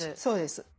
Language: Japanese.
そうです。